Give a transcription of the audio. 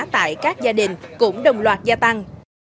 tại các gia đình cũng đồng loạt gia tăng